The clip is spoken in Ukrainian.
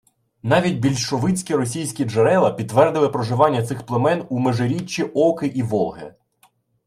Навіть більшовицькі російські джерела підтвердили проживання цих племен у межиріччі Оки і Волги